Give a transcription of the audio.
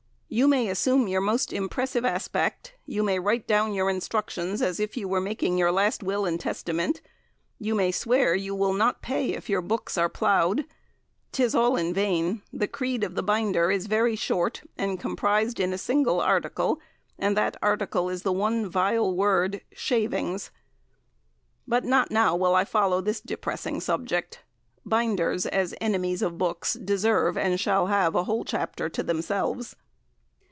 You may assume your most impressive aspect you may write down your instructions as if you were making your last will and testament you may swear you will not pay if your books are ploughed 'tis all in vain the creed of a binder is very short, and comprised in a single article, and that article is the one vile word "Shavings." But not now will I follow this depressing subject; binders, as enemies of books, deserve, and shall have, a whole chapter to themselves.